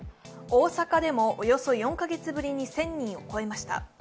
大阪でもおよそ４カ月ぶりに１０００人を超えました。